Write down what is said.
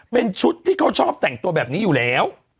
เป็นชุดที่เขาชอบแต่งตัวแบบนี้อยู่แล้ว